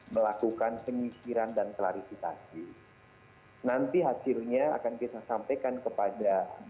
melakukan penyisiran dan klarifikasi nanti hasilnya akan kita sampaikan kepada